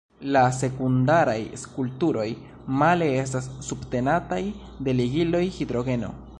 La sekundaraj strukturoj, male, estas subtenataj de ligiloj hidrogeno.